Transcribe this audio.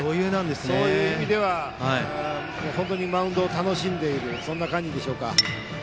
そういう意味では本当にマウンドを楽しんでいるそんな感じでしょうか。